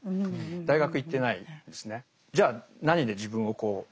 大学行ってないんですね。